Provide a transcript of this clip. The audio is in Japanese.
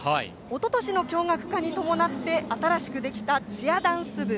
おととしの共学化に伴って新しくできたチアダンス部。